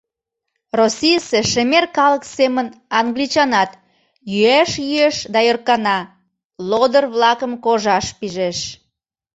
Российысе шемер калык семын англичанат йӱэш-йӱэш да ӧркана, «лодыр-влакым» кожаш пижеш.